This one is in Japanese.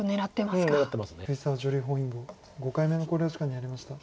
藤沢女流本因坊５回目の考慮時間に入りました。